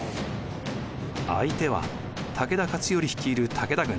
相手は武田勝頼率いる武田軍。